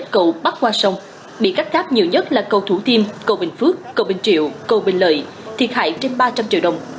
cầu bắt qua sông bị cắt cáp nhiều nhất là cầu thủ tiêm cầu bình phước cầu bình triệu cầu bình lợi thiệt hại trên ba trăm linh triệu đồng